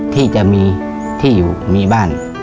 ที่จะมีที่อยู่มีบ้าน